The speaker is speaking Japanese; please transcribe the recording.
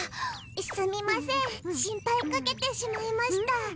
すみません心配かけてしまいました。